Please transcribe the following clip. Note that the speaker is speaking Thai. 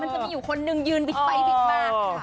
มันจะมีคนหนึ่งยืนบิดไปบิดมาก